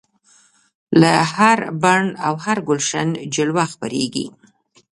له هر بڼ او هر ګلشن جلوه خپریږي